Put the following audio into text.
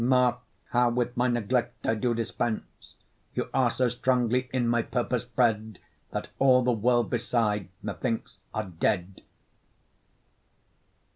Mark how with my neglect I do dispense: You are so strongly in my purpose bred, That all the world besides methinks are dead.